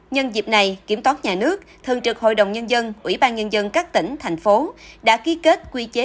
nhân dịp này kiểm toán nhà nước thường trực hội đồng nhân dân ủy ban nhân dân các tỉnh thành phố đã ký kết quy chế